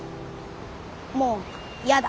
もうやだ。